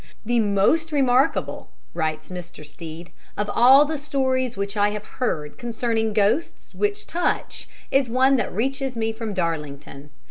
"The most remarkable," writes Mr. Stead, "of all the stories which I have heard concerning ghosts which touch is one that reaches me from Darlington.